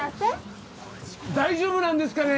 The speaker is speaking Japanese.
大丈夫なんですかね？